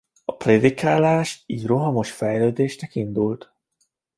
A prédikálás így rohamos fejlődésnek indult.